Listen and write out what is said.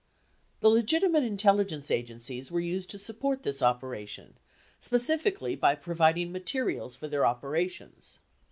29 The legitimate intelligence agencies were used to support this opera tion, specifically by providing materials for their operations.